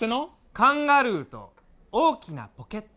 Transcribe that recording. カンガルーと大きなポケット。